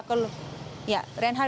jenguk hari ini